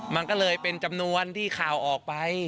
มันก็เลยเป็นจำนวนที่ข่าวออกไป